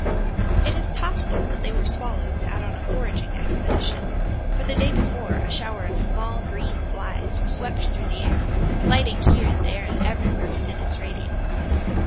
It is possible that they were swallows out on a foraging expedition, for the day before a shower of small, green flies swept through the air, lighting here and there and everywhere within its radius.